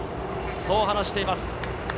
そう話しています。